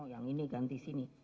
yang ini ganti sini